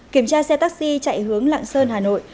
kiểm tra xe taxi chạy hướng lạng sơn hà nội